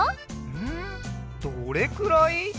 んどれくらい？